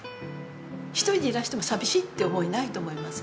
１人でいらしても寂しいって思いないと思いますね。